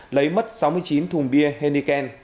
lấy mất sáu mươi chín thùng bia